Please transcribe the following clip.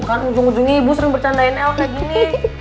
kan ujung ujungnya ibu sering bercandain el kayak gini